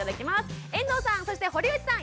遠藤さんそして堀内さん